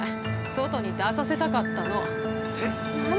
外に出させたかったの。